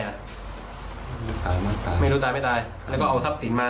ไม่ตายไม่ตายไม่ตายแล้วก็เอาทรัพย์สินมา